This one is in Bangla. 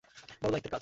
বড় দায়িত্বের কাজ!